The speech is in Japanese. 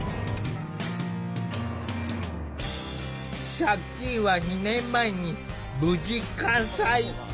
借金は２年前に無事完済。